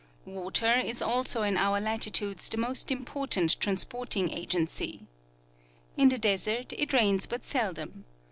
Water is also in our lati tudes the most important transporting agency. In the desert it rains but seldom.